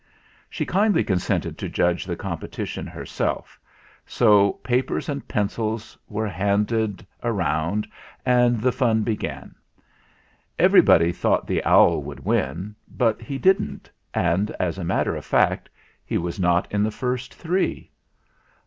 She kindly consented to judge the competition herself, so papers and pencils were handed 298 THE SENTENCE 299 round, and the fun began. Everybody thought the owl would win; but he didn't, and, as a matter of fact, he was not in the first three.